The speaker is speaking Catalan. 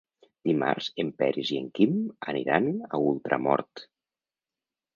Dimarts en Peris i en Quim aniran a Ultramort.